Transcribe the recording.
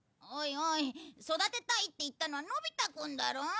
おいおい育てたいって言ったのはのび太くんだろ。